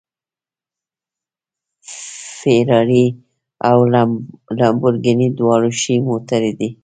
فېراري او لمبورګیني دواړه ښې موټرې دي